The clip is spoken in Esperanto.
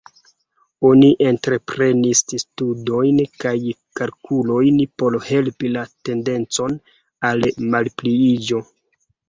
Oni entreprenis studojn kaj kalkulojn por helpi la tendencon al malpliiĝo.